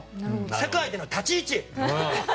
世界での立ち位置。